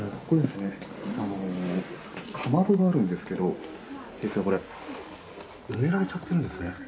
ここですね、かまどがあるんですけど、ですがこれ、埋められちゃってるんですね。